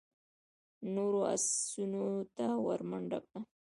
نورو آسونو ته ور منډه کړه.